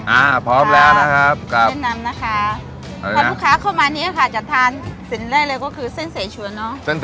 อ่าพร้อมแล้วนะครับครับแนะนำนะคะอะไรนะพวกค้าเข้ามานี่ค่ะจะทานสิ่งแรกเลยก็คือเส้นเสชวนเนอะ